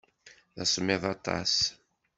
D asemmiḍ aṭas.